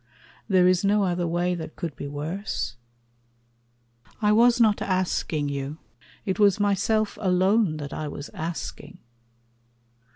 There is no other way that could be worse? I was not asking you; it was myself Alone that I was asking.